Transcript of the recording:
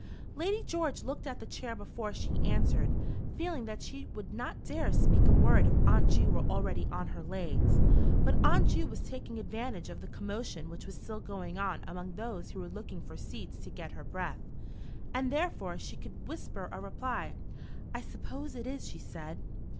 Lady George looked at the chair before she answered, feeling that she would not dare to speak a word if Aunt Ju were already on her legs; but Aunt Ju was taking advantage of the commotion which was still going on among those who were looking for seats to get her breath, and therefore she could whisper a reply. "I suppose it is," she said.